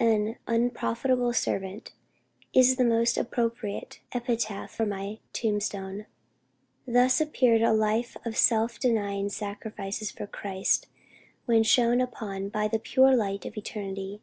An unprofitable servant, is the most appropriate epitaph for my tombstone." Thus appeared a life of self denying sacrifices for Christ, when shone upon by the pure light of eternity.